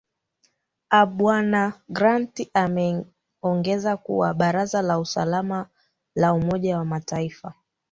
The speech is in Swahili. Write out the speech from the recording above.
a bwana grant ameongeza kuwa baraza la usalama la umoja wa mataifa